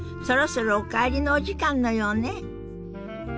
そろそろお帰りのお時間のようね。